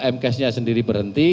m cache nya sendiri berhenti